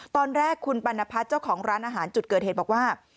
ตอนแรกคุณปัณพัฒน์เจ้าของร้านอาหารจุดเกิดเหตุบอกว่า